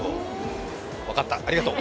分かった、ありがとう！